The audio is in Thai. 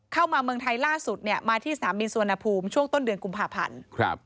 เมืองไทยล่าสุดเนี่ยมาที่สนามบินสุวรรณภูมิช่วงต้นเดือนกุมภาพันธ์